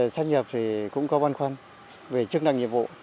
sắp nhập thì cũng có văn khoăn về chức năng nhiệm vụ